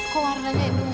kok warnanya emang